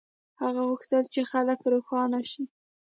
هغه غوښتل چې خلک روښانه شي.